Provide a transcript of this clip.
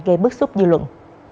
gây bức xúc dư luận